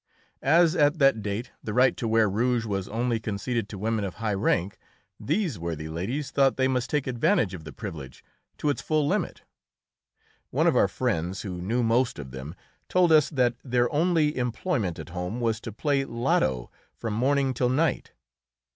As at that date the right to wear rouge was only conceded to women of high rank, these worthy ladies thought they must take advantage of the privilege to its full limit. One of our friends, who knew most of them, told us that their only employment at home was to play lotto from morning till night.